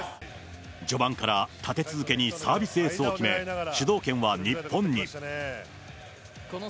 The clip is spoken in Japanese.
序盤から立て続けにサービスエースを決め、主導権は日本に。